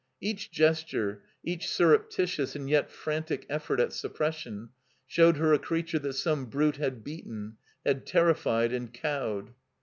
Each gesture, each surreptitious and yet frantic effort at suppression, showed her a creature that some brute had beaten, had terrified and cowed.